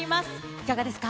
いかがですか？